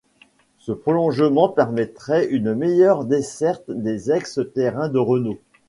Ce prolongement permettrait une meilleure desserte des ex-terrains de Renault.